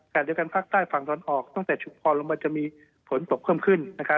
การเดียวกันพักใต้ฝั่งฐานออกตั้งแต่ชุบความลงมาจะมีผลปลดเพิ่มขึ้น